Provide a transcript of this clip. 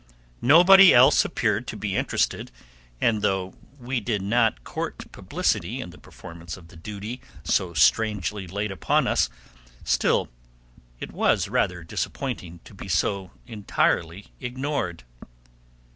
Nobody else appeared to be interested, and though we did not court publicity in the performance of the duty so strangely laid upon us, still it was rather disappointing to be so entirely ignored.